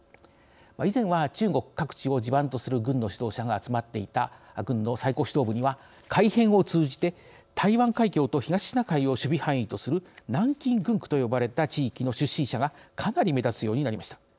以前は中国各地を地盤とする軍の指導者が集まっていた軍の最高指導部には改変を通じて台湾海峡と東シナ海を守備範囲とする南京軍区と呼ばれた地域の出身者がかなり目立つようになりました。